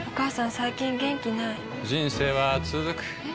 最近元気ない人生はつづくえ？